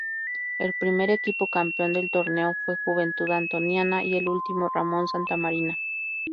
El primer equipo campeón del torneo fue Juventud Antoniana, y el último Ramón Santamarina.